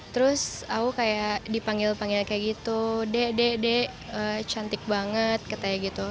terus aku kayak dipanggil panggil kayak gitu dek dek dek cantik banget katanya gitu